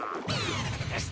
よし！